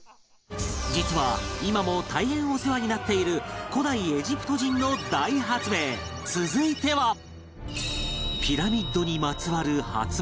実は今も大変お世話になっている古代エジプト人の大発明続いてはピラミッドにまつわる発明